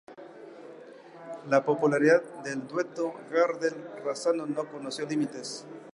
La popularidad del dueto Gardel-Razzano no conoció límites.